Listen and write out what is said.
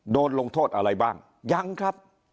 โดนลงโทษอะไรบ้างยังครับ